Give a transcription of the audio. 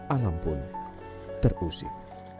alam pun terusir